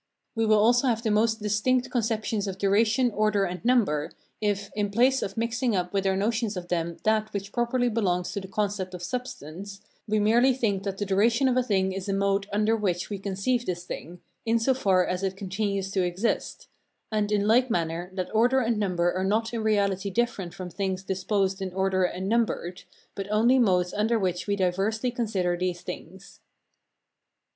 We will also have most distinct conceptions of duration, order, and number, if, in place of mixing up with our notions of them that which properly belongs to the concept of substance, we merely think that the duration of a thing is a mode under which we conceive this thing, in so far as it continues to exist; and, in like manner, that order and number are not in reality different from things disposed in order and numbered, but only modes under which we diversely consider these things.